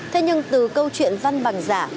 thế nhưng từ câu chuyện văn bằng giả